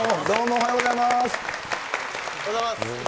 おはようございます。